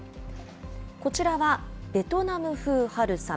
こちらは、ベトナム風春雨。